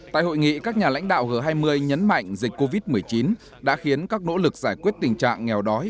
tại hội nghị các nhà lãnh đạo g hai mươi nhấn mạnh dịch covid một mươi chín đã khiến các nỗ lực giải quyết tình trạng nghèo đói